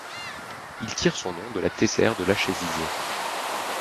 Il tire son nom de la tessère de Lachésis.